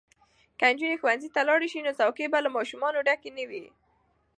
که نجونې ښوونځي ته لاړې شي نو کوڅې به له ماشومانو ډکې نه وي.